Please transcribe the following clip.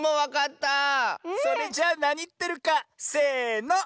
それじゃなにってるかせの。